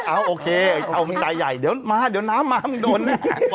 เอาโอเคเอาไหนใหญ่เดี๋ยวน้ำมามันโดน